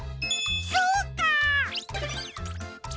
そうか！